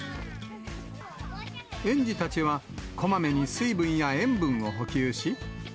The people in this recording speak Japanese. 園児たちはこまめに水分や塩分を補給し。